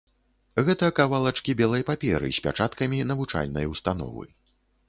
Гэта кавалачкі белай паперы з пячаткамі навучальнай установы.